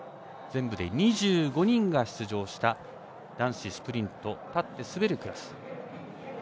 全部で２５人が出場した男子スプリント立って滑るクラス。